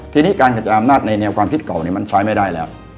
ทีนี้การกระจายอำนาจในแนวความคิดเก่ามันใช้ไม่ได้แล้ว